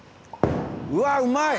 うわっうまい！